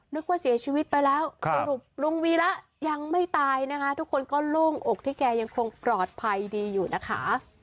นึกว่าเสียชีวิตไปแล้วสรุปลุงวีระยังไม่ตายนะคะทุกคนก็โล่งอกที่แกยังคงปลอดภัยดีอยู่นะคะ